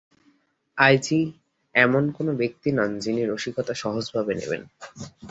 I G এমন কোনো ব্যক্তি নন, যিনি রসিকতা সহজভাবে নেবেন।